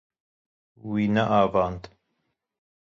Wî neavand.